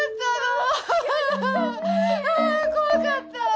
あ怖かった。